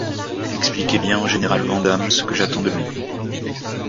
Expliquez bien au général Vandamme ce que j'attends de lui.